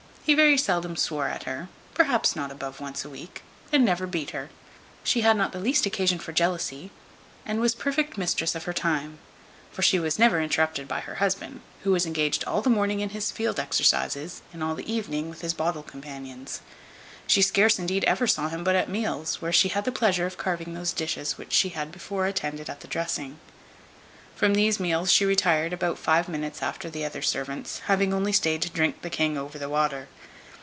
He very seldom swore at her (perhaps not above once a week) and never beat her; she had not the least occasion for jealousy, and was perfect mistress of her time; for she was never interrupted by her husband, who was engaged all the morning in his field exercises, and all the evening with bottle companions. She scarce indeed ever saw him but at meals; where she had the pleasure of carving those dishes which she had before attended at the dressing. From these meals she retired about five minutes after the other servants, having only stayed to drink "the king over the water."